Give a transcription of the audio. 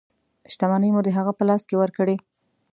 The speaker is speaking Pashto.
شتمنۍ مو د هغه په لاس کې ورکړې.